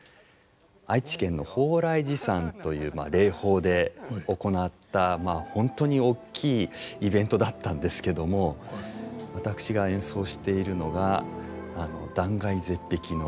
愛知県の鳳来寺山という霊峰で行った本当に大きいイベントだったんですけども私が演奏しているのが断崖絶壁の。